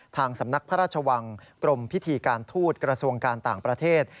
ทางสำนักพระราชวังกรมพิธีการทูตกระทรวงการต่างประเทศ